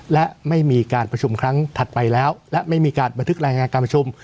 และไม่มีการประชุมครั้งถัดไปแล้วและไม่มีการบันทึกรายงานการประชุม